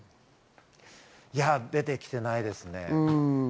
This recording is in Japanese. いや、出てきてないですね。